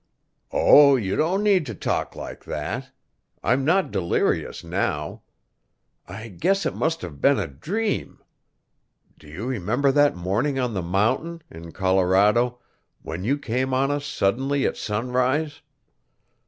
"Oh, you don't need to talk like that; I'm not delirious now. I guess it must have been a dream. Do you remember that morning on the mountain in Colorado when you came on us suddenly at sunrise?